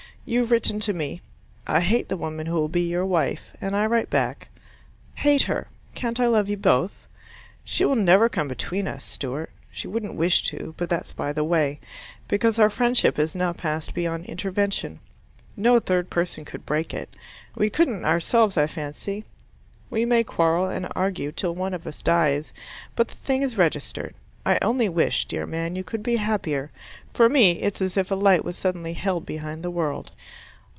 You've written to me, "I hate the woman who will be your wife," and I write back, "Hate her. Can't I love you both?" She will never come between us, Stewart (She wouldn't wish to, but that's by the way), because our friendship has now passed beyond intervention. No third person could break it. We couldn't ourselves, I fancy. We may quarrel and argue till one of us dies, but the thing is registered. I only wish, dear man, you could be happier. For me, it's as if a light was suddenly held behind the world.